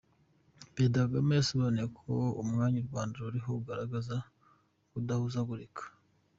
Perezida Kagame yasobanuye ko umwanya u Rwanda ruriho ugaragaza kudahuzagurika.